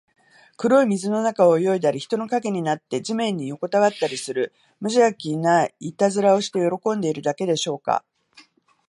黒い水の中を泳いだり、人の影になって地面によこたわったりする、むじゃきないたずらをして喜んでいるだけでしょうか。